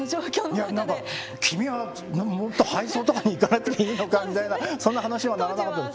いや何か「君はもっと配送とかに行かなくていいのか」みたいなそんな話にはならなかったと。